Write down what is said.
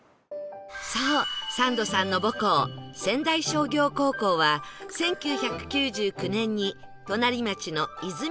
そうサンドさんの母校仙台商業高校は１９９９年に隣町の泉区へと移転